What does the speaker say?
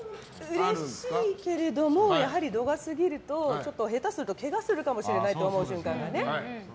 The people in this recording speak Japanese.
うれしいけれどもやはり、度が過ぎるとちょっと下手するとけがするかもしれないと思う瞬間がね。